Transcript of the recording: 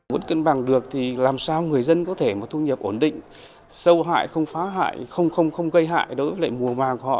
muốn cân bằng được thì làm sao người dân có thể thu nhập ổn định sâu hại không phá hại không gây hại đối với mùa mà họ